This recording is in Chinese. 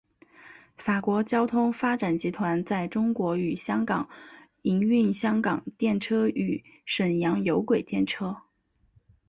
法国交通发展集团在中国与香港营运香港电车与沈阳有轨电车。